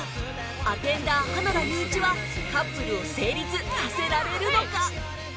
アテンダー花田優一はカップルを成立させられるのか？